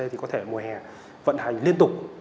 thì có thể mùa hè vận hành liên tục